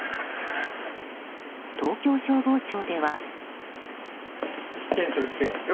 東京消防庁では。